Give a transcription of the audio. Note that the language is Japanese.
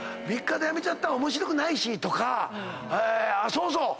そうそう！